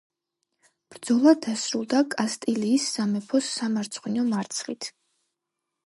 ბრძოლა დასრულდა კასტილიის სამეფოს სამარცხვინო მარცხით.